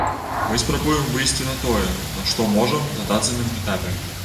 Мы спрабуем выйсці на тое, на што можам на дадзеным этапе.